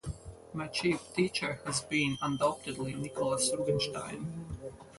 My chief teacher has been, undoubtedly, Nicholas Rubinstein.